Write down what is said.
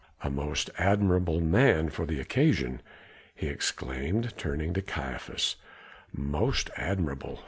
"A most admirable man for the occasion!" he exclaimed, turning to Caiaphas. "Most admirable!